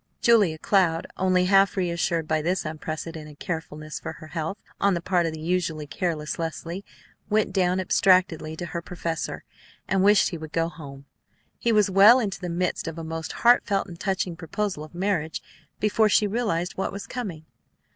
Julia Cloud, only half reassured by this unprecedented carefulness for her health on the part of the usually careless Leslie, went down abstractedly to her professor, and wished he would go home. He was well into the midst of a most heartfelt and touching proposal of marriage before she realized what was coming.